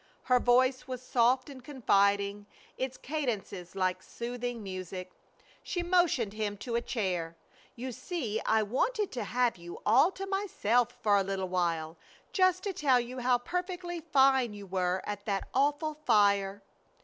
Her voice was soft and confiding, its cadences like soothing music. She motioned him to a chair. "You see, I wanted to have you all to myself for a little while, just to tell you how perfectly fine you were at that awful fire."